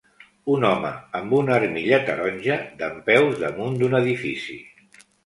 Un home amb una armilla taronja dempeus damunt d'un edifici.